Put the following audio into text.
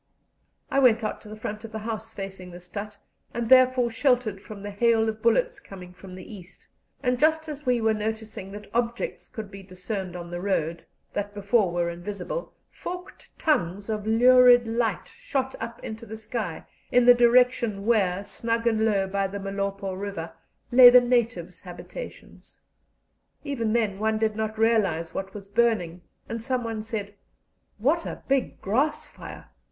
I went out to the front of the house facing the stadt, and therefore sheltered from the hail of bullets coming from the east; and just as we were noticing that objects could be discerned on the road, that before were invisible, forked tongues of lurid light shot up into the sky in the direction where, snug and low by the Malopo River, lay the natives' habitations. Even then one did not realize what was burning, and someone said: "What a big grass fire!